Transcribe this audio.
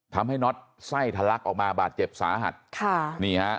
ทำให้น็อตไส้ทะลักออกมาบาดเจ็บสาหัสค่ะนี่ฮะ